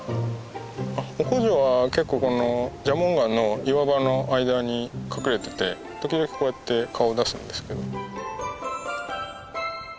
オコジョは結構この蛇紋岩の岩場の間に隠れてて時々こうやって顔出すんですけど。